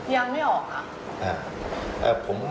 ยังไม่ออกค่ะ